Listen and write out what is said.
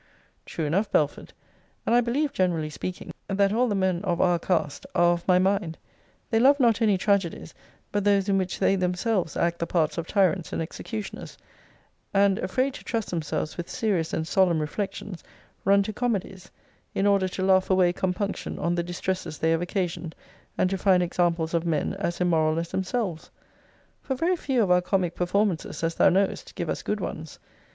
True enough, Belford; and I believe, generally speaking, that all the men of our cast are of my mind They love not any tragedies but those in which they themselves act the parts of tyrants and executioners; and, afraid to trust themselves with serious and solemn reflections, run to comedies, in order to laugh away compunction on the distresses they have occasioned, and to find examples of men as immoral as themselves. For very few of our comic performances, as thou knowest, give us good ones.